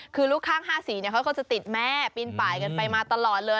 คือลูกข้างห้าสีเขาจะติดแม่ปินปาดกันไปมาตลอดเลย